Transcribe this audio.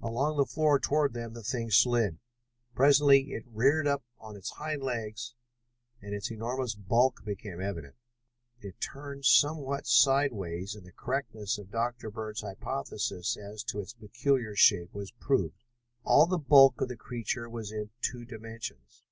Along the floor toward them the thing slid. Presently it reared up on its hind legs and its enormous bulk became evident. It turned somewhat sideways and the correctness of Dr. Bird's hypothesis as to its peculiar shape was proved. All of the bulk of the creature was in two dimensions.